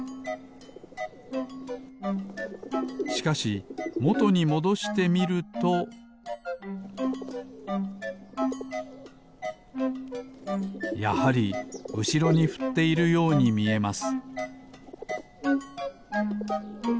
しかしもとにもどしてみるとやはりうしろにふっているようにみえます